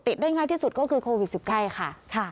ได้ง่ายที่สุดก็คือโควิด๑๙ค่ะ